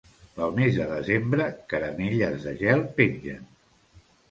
Pel mes de desembre, caramelles de gel pengen.